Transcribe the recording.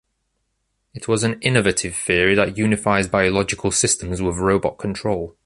It was an innovative theory that unifies biological systems with robot control.